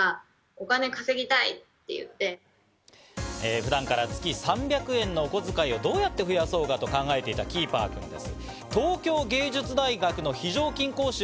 普段から月３００円のお小遣いをどうやって増やそうかと考えていたキーパー君です。